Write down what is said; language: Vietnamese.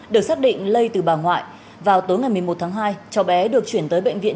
được xác định lây từ bà ngoại vào tối ngày một mươi một tháng hai cháu bé được chuyển tới bệnh viện